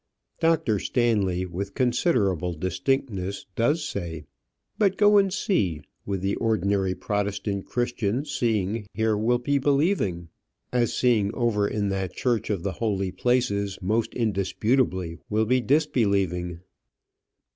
Dr. Stanley, with considerable distinctness does say. But go and see: with the ordinary Protestant Christian seeing here will be believing, as seeing over in that church of the holy places most indisputably will be disbelieving.